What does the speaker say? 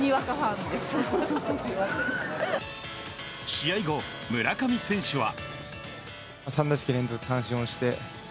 試合後、村上選手は。